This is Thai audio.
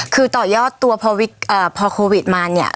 คือต่อยอดตัวพอโควิดมาเนี่ย